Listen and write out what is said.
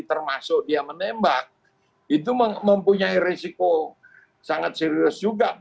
termasuk dia menembak itu mempunyai risiko sangat serius juga